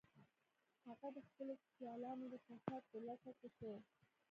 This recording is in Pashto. هغه د خپلو سیالانو د کسات په لټه کې شو